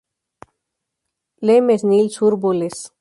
Le Mesnil-sur-Bulles